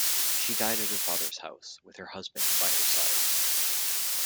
She died at her father's house with her husband by her side.